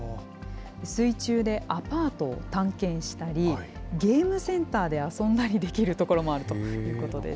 水中でアパートを探検したり、ゲームセンターで遊んだりできる所もあるということです。